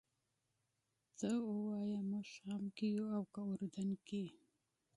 ته ووایه موږ شام کې یو او که اردن کې.